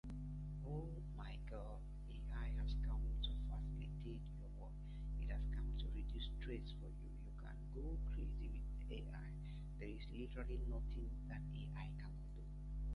Tom Verducci of "Sports Illustrated" called the incident one of "professional cowardice.